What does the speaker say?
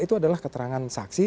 itu adalah keterangan saksi